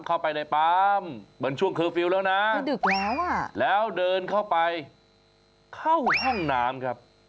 เหมือนช่วงเคอร์ฟิลล์แล้วนะแล้วเดินเข้าไปเข้าห้างน้ำครับ